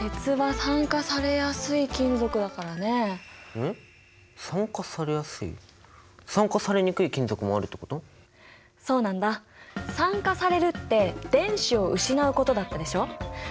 酸化されるって電子を失うことだったでしょ。